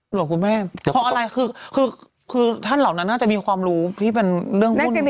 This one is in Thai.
เหรอคุณแม่เพราะอะไรคือคือท่านเหล่านั้นน่าจะมีความรู้ที่เป็นเรื่องวุ่น